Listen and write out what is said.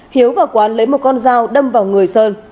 hiếu và quán lấy một con dao đâm vào người sơn